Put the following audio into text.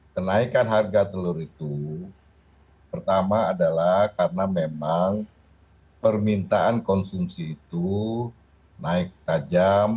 kenaikan harga telur itu pertama adalah karena memang permintaan konsumsi itu naik tajam